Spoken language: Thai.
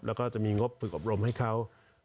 แล้วก็จะมีงบฝึกอบรมให้เขา